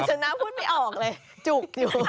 ชนะพูดไม่ออกเลยจุกอยู่